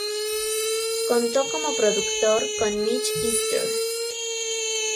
Contó como productor con Mitch Easter.